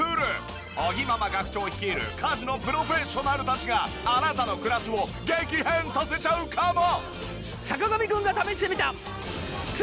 尾木ママ学長率いる家事のプロフェッショナルたちがあなたの暮らしを激変させちゃうかも！？